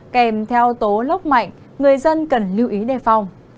kèm theo tố lốc mạnh người dân cần lưu ý đề phòng